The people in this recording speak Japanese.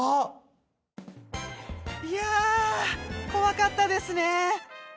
いやぁ怖かったですね。